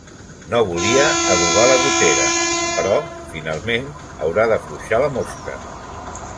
No volia adobar la gotera, però finalment haurà d'afluixar la mosca.